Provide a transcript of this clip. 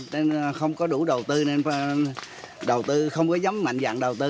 nên không có đủ đầu tư không có giấm mạnh dạng đầu tư